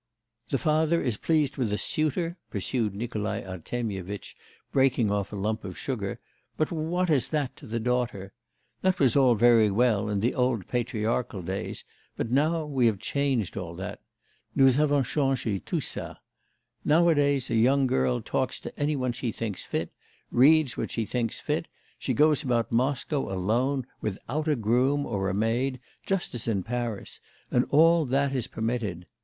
'The father is pleased with a suitor,' pursued Nikolai Artemyevitch, breaking off a lump of sugar; 'but what is that to the daughter! That was all very well in the old patriarchal days, but now we have changed all that. Nous avons changé tout ça. Nowadays a young girl talks to any one she thinks fit, reads what she thinks fit; she goes about Moscow alone without a groom or a maid, just as in Paris; and all that is permitted.